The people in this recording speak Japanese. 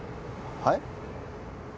はい？